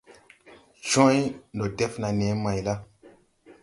Cwãy. Ndɔ def naa nee may la?